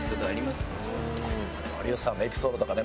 有吉さんのエピソードとかね。